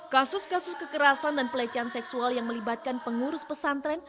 kasus kasus kekerasan dan pelecehan seksual yang melibatkan pengurus pesantren